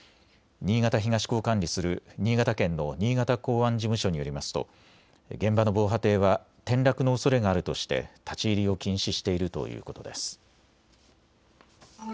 新潟東港を管理する新潟県の新潟港湾事務所によりますと現場の防波堤は転落のおそれがあるとして立ち入りを禁止しているということです。